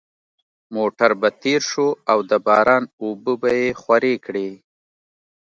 موټر به تېر شو او د باران اوبه به یې خورې کړې